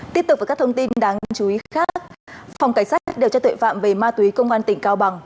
tiếp tục với các thông tin đáng chú ý khác phòng cảnh sát điều tra tuệ phạm về ma túy công an tỉnh cao bằng